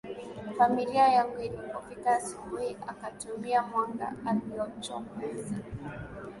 familia yangu Ilipofika asubuhi akatumia mwanga uliochomoza